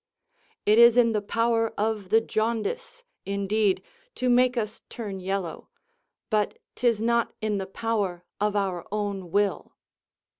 It is in the power of the jaundice, indeed, to make us turn yellow, but 'tis not in the power of our own will.